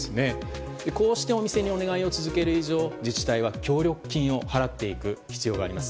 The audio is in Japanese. こうしてお店にお願いを続ける以上、自治体は協力金を払っていく必要があります。